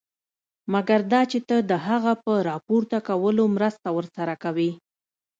مګر دا چې ته د هغه په راپورته کولو مرسته ورسره کوې.